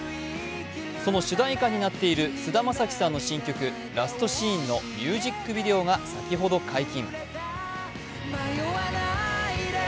その主題歌になっている菅田将暉さんの新曲、「ラストシーン」のミュージックビデオが先ほど解禁。